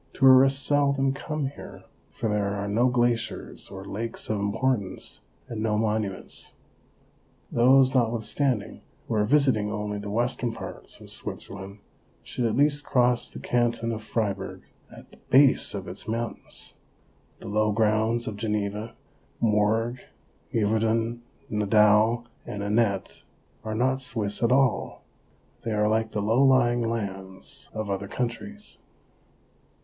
Tourists seldom come here, for there are no glaciers or lakes of importance, and no monuments. Those, notwithstanding, who are visiting only the western parts of Switzerland, should at least cross the canton of Fribourg at the base of its mountains ; the low grounds of Geneva, Morges, Yverdun, Nidau and Anet are not Swiss at all; they are like the low lying lands of other countries.